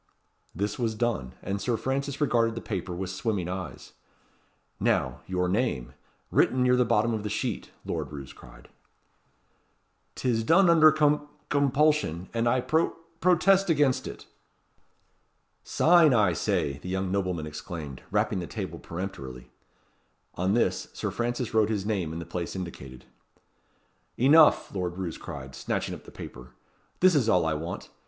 This was done; and Sir Francis regarded the paper with swimming eyes. "Now, your name, written near the bottom of the sheet," Lord Roos cried. "'Tis done under com compulsion; and I pro protest against it." "Sign, I say," the young nobleman exclaimed, rapping the table peremptorily. On this, Sir Francis wrote his name in the place indicated. "Enough!" Lord Roos cried, snatching up the paper. "This is all I want.